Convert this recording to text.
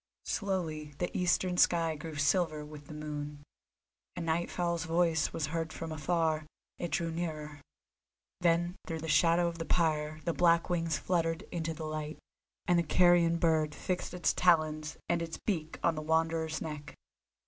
Slowly the eastern sky grew silver with the moon. A night fowl's voice was heard from afar, it drew nearer; then through the shadow of the pyre the black wings fluttered into the light, and the carrion bird fixed its talons and its beak on the Wanderer's neck.